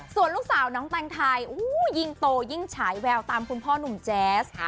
ส่วนลูกสาวน้องแตงไทยยิ่งโตยิ่งฉายแววตามคุณพ่อหนุ่มแจ๊ส